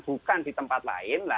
bukan di tempat lain